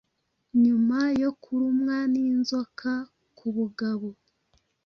nyuma yo kurumwa n’inzoka ku bugabo,